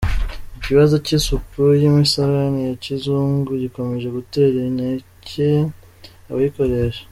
Ikibazo cy’isuku y’imisarane ya Kizungu gikomeje gutera inkeke abayikoresha